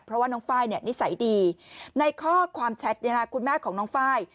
เพราะว่าน้องไฟล์นิสัยดีในข้อความแชทคุณแม่ของน้องไฟล์